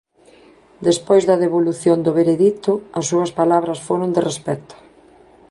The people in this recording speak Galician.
Despois da devolución do veredicto, as súas palabras foron de respecto.